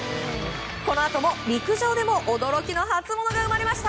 このあと、陸上でも驚きの初モノが生まれました。